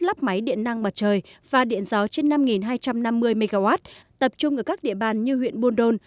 lắp máy điện năng mặt trời và điện gió trên năm hai trăm năm mươi mw tập trung ở các địa bàn như huyện buôn đôn